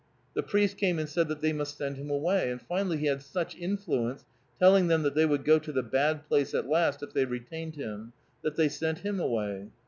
The priest came and said that they must send him away, and finally he had such influence, telling them that they would go to the bad place at last if they retained him, that they sent him away.